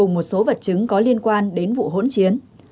cùng một số vật chứng có liên quan đến vụ hỗn chiến